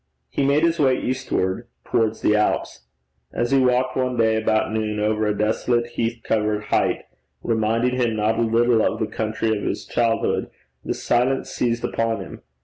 He made his way eastward towards the Alps. As he walked one day about noon over a desolate heath covered height, reminding him not a little of the country of his childhood, the silence seized upon him.